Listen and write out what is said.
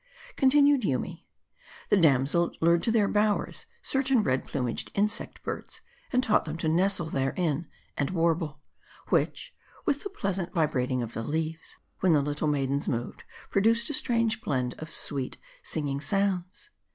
Continued Yoomy, The damsels lured to their bowers, certain red plumaged insect birds, and taught them to nestle therein, and warble ; which, with the pleasant vibrating of the leaves, when the little maidens moved, produced a strange blending of sweet, singing sounds.